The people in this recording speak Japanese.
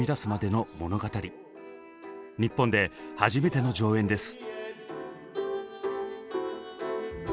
日本で初めての上演です。